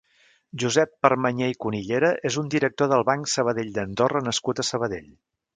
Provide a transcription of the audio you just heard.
Josep Permanyer i Cunillera és un director del BancSabadell d'Andorra nascut a Sabadell.